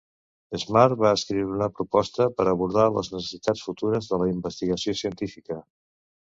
Smarr va escriure una proposta per abordar les necessitats futures de la investigació científica.